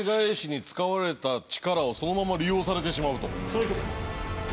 そういうことです。